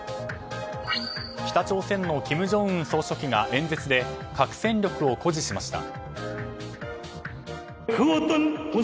北朝鮮の金正恩総書記が演説で、核戦力を誇示しました。